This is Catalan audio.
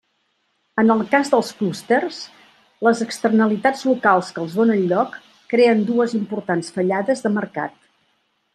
En el cas dels clústers, les externalitats locals que els donen lloc creen dues importants fallades de mercat.